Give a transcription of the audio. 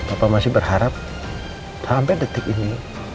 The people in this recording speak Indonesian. bapak masih berharap sampai detik ini